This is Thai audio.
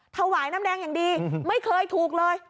ถวายน้ำแดงอย่างดีไม่เคยถูกเลย